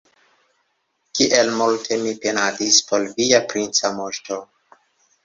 Kiel multe mi penadis por via princa moŝto!